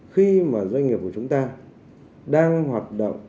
khi mà doanh nghiệp của chúng ta đang hoạt động